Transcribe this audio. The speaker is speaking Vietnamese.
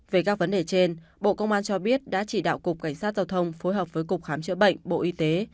về các vấn đề trên bộ công an cho biết đã chỉ đạo cục cảnh sát giao thông phối hợp với cục khám chữa bệnh bộ y tế